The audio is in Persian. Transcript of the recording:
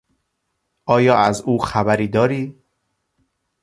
آیا از او خبری داری؟